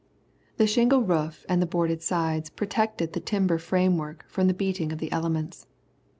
The shingle roof and the boarded sides protected the timber framework from the beating of the elements.